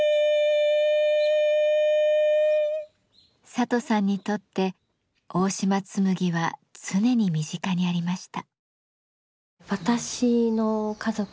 里さんにとって大島紬は常に身近にありました。